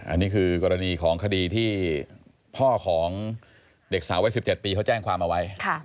อันนี้คือกรณีของคดีที่พ่อของเด็กสาววัย๑๗ปีเขาแจ้งความเอาไว้